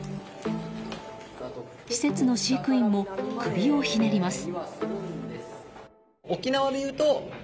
施設の飼育員も首をひねります。